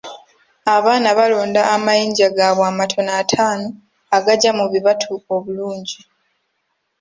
Abaana balonda amayinja gaabwe amatono ataano agagya mu bibatu obulungi.